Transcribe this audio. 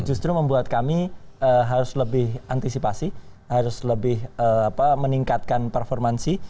justru membuat kami harus lebih antisipasi harus lebih meningkatkan performansi